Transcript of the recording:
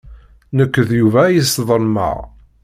Nekk d Yuba ay sḍelmeɣ.